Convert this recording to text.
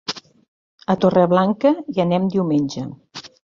A Torreblanca hi anem diumenge.